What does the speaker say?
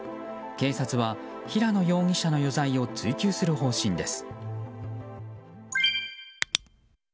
警察は平野容疑者の余罪を追及する方針です。